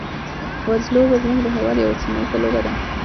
وزلوبه زموږ د هېواد یوه سیمه ییزه لوبه ده.